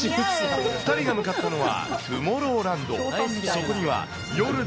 ２人が向かったのは、トゥモローランド。